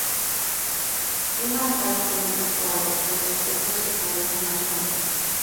He marcado con un recuadro los aspectos que parecen más llamativos